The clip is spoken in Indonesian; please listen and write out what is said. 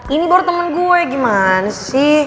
ini baru temen gue gimana sih